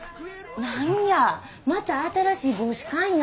何やまた新しい帽子かいな。